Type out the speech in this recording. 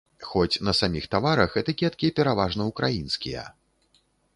Хоць на саміх таварах этыкеткі пераважна ўкраінскія.